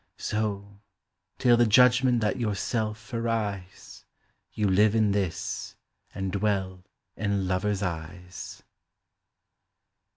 So, till the judgment that yourself arise, You live in this, and dwell in lovers' eyes.